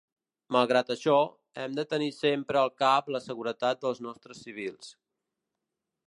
Malgrat això, hem de tenir sempre al cap la seguretat dels nostres civils.